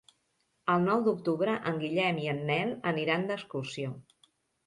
El nou d'octubre en Guillem i en Nel aniran d'excursió.